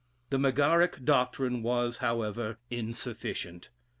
The Megaric doctrine was, however, insufficient.